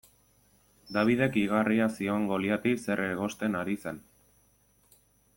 Davidek igarria zion Goliati zer egosten ari zen.